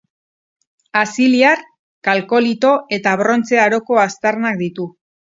Aziliar, Kalkolito eta Brontze Aroko aztarnak ditu